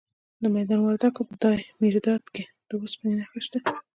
د میدان وردګو په دایمیرداد کې د وسپنې نښې شته.